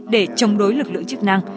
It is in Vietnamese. để chống đối lực lượng chức năng